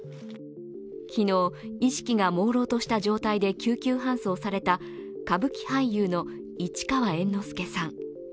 昨日、意識がもうろうとした状態で救急搬送された歌舞伎俳優の市川猿之助さん。